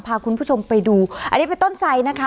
พาคุณผู้ชมไปดูอันนี้เป็นต้นไสนะคะ